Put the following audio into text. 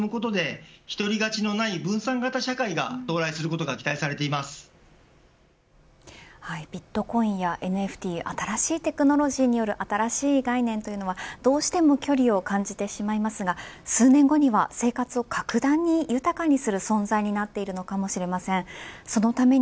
そこで技術革新が進むことで１人勝ちのない分散型社会が到来することがビットコインやＮＦＴ新しいテクノロジーによる新しい概念はどうしても距離を感じてしまいますが数年後には生活を格段に豊かにする存在になっているかもしれません。